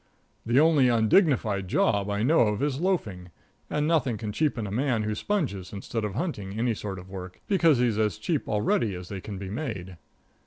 The only undignified job I know of is loafing, and nothing can cheapen a man who sponges instead of hunting any sort of work, because he's as cheap already as they can be made.